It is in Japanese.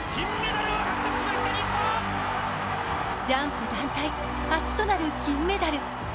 ジャンプ団体初となる金メダル。